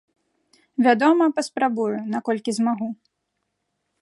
Вядома, паспрабую, наколькі змагу.